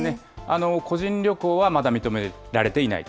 個人旅行はまだ認められていない。